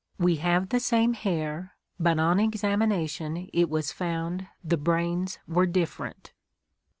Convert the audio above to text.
We have the same hair, but on examination it was found the brains were different."